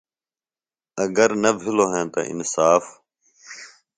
اگر نہ بِھلوۡ ہنتہ انصاف۔